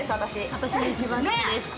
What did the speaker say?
私も一番好きです。